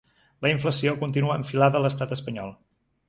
La inflació continua enfilada a l’estat espanyol.